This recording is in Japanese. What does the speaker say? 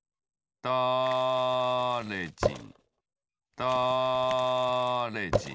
だれじんだれじん